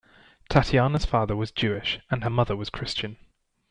Tatjana's father was Jewish, and her mother was Christian.